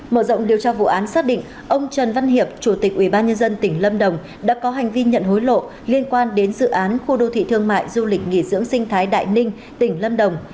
mở rộng điều tra vụ án xác định ông trần văn hiệp chủ tịch ubnd tỉnh lâm đồng đã có hành vi nhận hối lộ liên quan đến dự án khu đô thị thương mại du lịch nghỉ dưỡng sinh thái đại ninh tỉnh lâm đồng